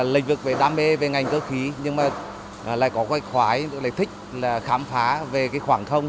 lịch vực đam mê về ngành cơ khí nhưng lại có khoái thích khám phá về khoảng thông